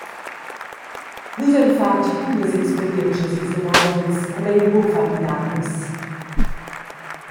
«Nus havein fatg bunas experientschas ils davos onns e lein buca far midadas.»